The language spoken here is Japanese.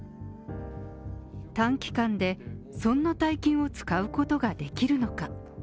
短期間でそんな大金を使うことができるのか。